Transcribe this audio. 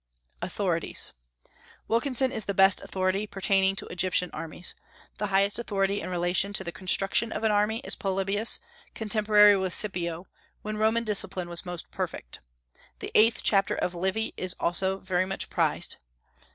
AUTHORITIES. Wilkinson is the best authority pertaining to Egyptian armies. The highest authority in relation to the construction of an army is Polybius, contemporary with Scipio, when Roman discipline was most perfect. The eighth chapter of Livy is also very much prized.